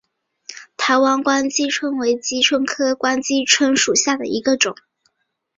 台湾光姬蝽为姬蝽科光姬蝽属下的一个种。